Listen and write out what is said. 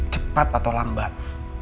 cepat atau lambat